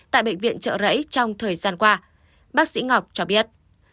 tại bệnh viện trợ rẫy trong thời gian qua bác sĩ ngọc cho biết